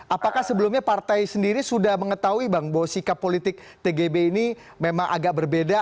apakah sebelumnya partai sendiri sudah mengetahui bang bahwa sikap politik tgb ini memang agak berbeda